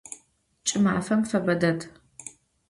Ç'ımafem febe ded.